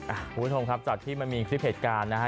คุณผู้ชมครับจากที่มันมีคลิปเหตุการณ์นะฮะ